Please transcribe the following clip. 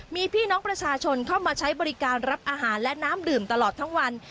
มีพี่น้องประชาชนเข้ามาใช้บริการรับอาหารและน้ำดื่มตลอดทั้งวัน